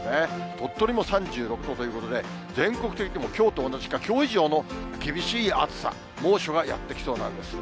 鳥取も３６度ということで、全国的にもきょうと同じか、きょう以上の厳しい暑さ、猛暑がやって来そうなんです。